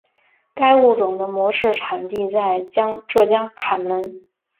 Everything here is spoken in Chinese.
该物种的模式产地在浙江坎门。